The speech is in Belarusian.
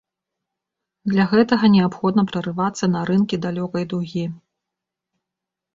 Для гэтага неабходна прарывацца на рынкі далёкай дугі.